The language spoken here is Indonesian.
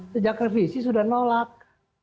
sejak revisi sudah nolak